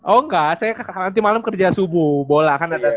oh enggak saya nanti malam kerja subuh bola kan ada